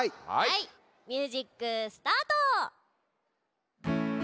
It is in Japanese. ミュージックスタート！